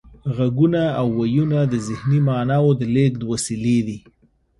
غږونه او وییونه د ذهني معناوو د لیږد وسیلې دي